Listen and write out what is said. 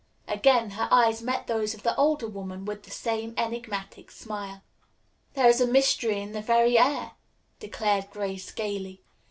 Again her eyes met those of the older woman with the same enigmatic smile. "There is mystery in the very air," declared Grace gayly.